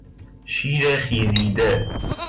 شیر خیزیده